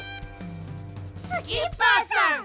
スキッパーさん！